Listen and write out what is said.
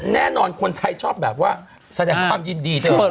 แน่นอนคนไทยชอบแบบว่าแสดงความยินดีเถอะ